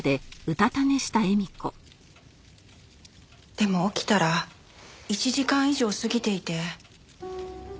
でも起きたら１時間以上過ぎていて。